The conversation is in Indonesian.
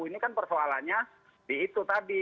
ini kan persoalannya di itu tadi